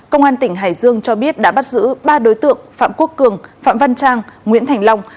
công an tỉnh hải dương cho biết đã bắt giữ ba đối tượng phạm quốc cường phạm văn trang nguyễn thành long